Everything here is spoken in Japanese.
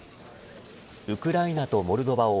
ウクライナとモルドバを